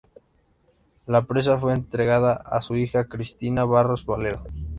La presea fue entregada a su hija Cristina Barros Valero.